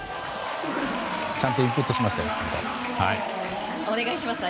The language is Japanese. ちゃんとインプットしましたよ。